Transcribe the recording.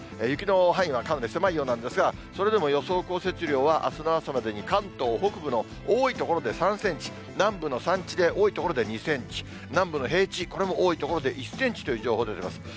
雪の範囲はかなり狭いようなんですが、それでも予想降雪量は、あすの朝までに関東北部の多い所で３センチ、南部の山地で多い所で２センチ、南部の平地、これも多い所で１センチという情報出てます。